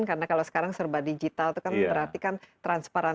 karena kalau sekarang serba digital itu kan berarti kan transparan